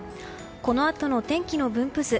このあとの天気の分布図。